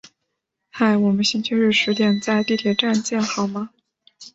嗨，我们星期日十点在地铁站见好吗？